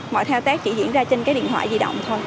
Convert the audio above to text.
mọi thao tác chỉ diễn ra trên cái điện thoại di động thôi